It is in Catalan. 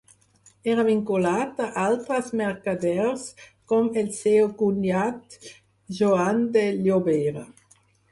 Era vinculat a altres mercaders, com el seu cunyat Joan de Llobera.